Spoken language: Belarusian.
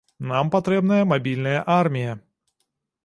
Нам патрэбная мабільная армія.